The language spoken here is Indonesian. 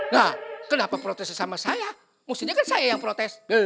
nah kenapa protes sama saya mestinya kan saya yang protes